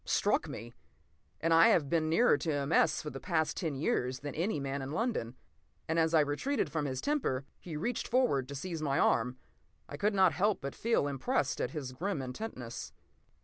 Struck me! And I have been nearer to M. S. for the past ten years than any man in London. And as I retreated from his temper, he reached forward to seize my arm. I could not help but feel impressed at his grim intentness.